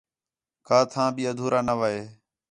کا تھاں بھی اَدھورا نہ وے